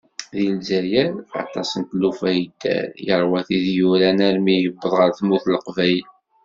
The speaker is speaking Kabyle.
Di lezzayer, aṭas n tlufa i yedder, yerwa tid yuran armi yewweḍ ɣer tmurt n Leqbayel.